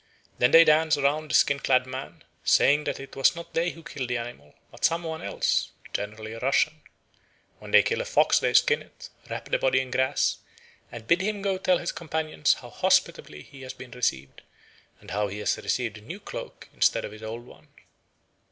Then they dance round the skin clad man, saying that it was not they who killed the animal, but some one else, generally a Russian. When they kill a fox they skin it, wrap the body in grass, and bid him go tell his companions how hospitably he has been received, and how he has received a new cloak instead of his old one.